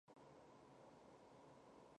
答案浮现在妳眼底